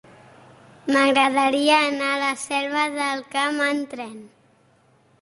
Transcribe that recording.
M'agradaria anar a la Selva del Camp amb tren.